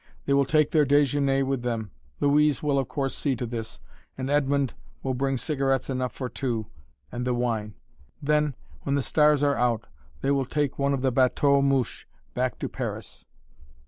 They will take their déjeuner with them. Louise will, of course, see to this, and Edmond will bring cigarettes enough for two, and the wine. Then, when the stars are out, they will take one of the "bateaux mouches" back to Paris.